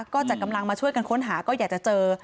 ก็จัดกำลังมาช่วยกันค้นหาก็อยากจะเจอ